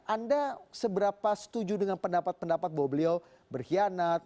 anda seberapa setuju dengan pendapat pendapat bahwa beliau berkhianat